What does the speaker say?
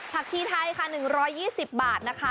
ชีไทยค่ะ๑๒๐บาทนะคะ